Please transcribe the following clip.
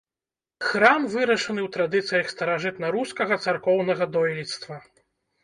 Храм вырашаны ў традыцыях старажытнарускага царкоўнага дойлідства.